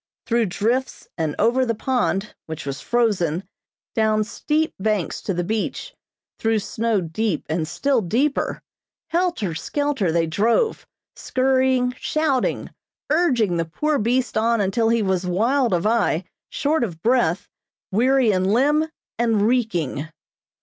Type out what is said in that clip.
Through drifts and over the pond, which was frozen, down steep banks to the beach, through snow deep and still deeper, helter skelter they drove, skurrying, shouting, urging the poor beast on until he was wild of eye, short of breath, weary in limb, and reeking.